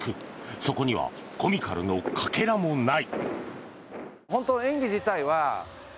そこにはコミカルのかけらもない。